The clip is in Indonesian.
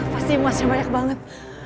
pasti emasnya banyak banget